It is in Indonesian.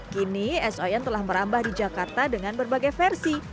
kini es oyen telah merambah di jakarta dengan berbagai versi